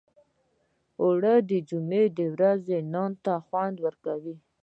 اوړه د جمعې ورځې نان ته خوند ورکوي